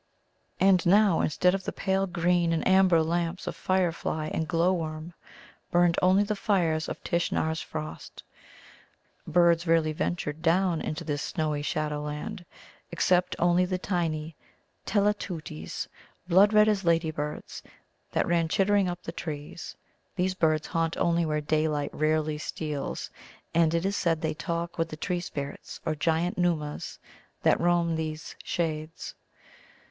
And now, instead of the pale green and amber lamps of firefly and glowworm, burned only the fires of Tishnar's frost. Birds rarely ventured down into this snowy shadowland, except only the tiny Telateuties, blood red as ladybirds, that ran chittering up the trees. These birds haunt only where daylight rarely steals, and it is said they talk with the tree spirits, or giant Nōōmas, that roam these shades.